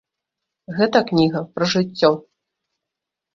Гэта кніга пра жыццё.